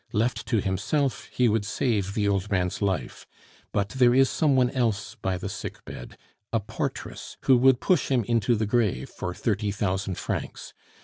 Left to himself, he would save the old man's life; but there is some one else by the sickbed, a portress, who would push him into the grave for thirty thousand francs.